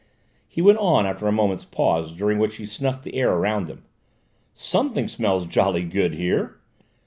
he went on after a moment's pause during which he snuffed the air around him, "something smells jolly good here!"